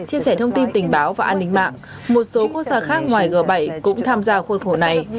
chia sẻ thông tin tình báo và an ninh mạng một số quốc gia khác ngoài g bảy cũng tham gia khuôn khổ này